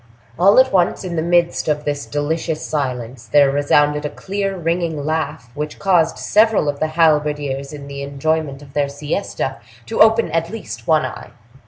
All at once, in the midst of this delicious silence, there resounded a clear ringing laugh, which caused several of the halberdiers in the enjoyment of their siesta to open at least one eye.